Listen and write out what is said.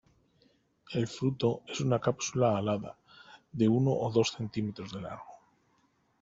El fruto es una cápsula alada de uno o dos centímetros de largo.